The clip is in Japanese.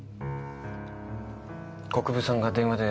国分さんが電話で。